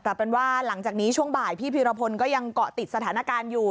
แต่เป็นว่าหลังจากนี้ช่วงบ่ายพี่พีรพลก็ยังเกาะติดสถานการณ์อยู่